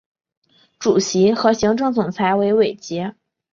主席和行政总裁为韦杰。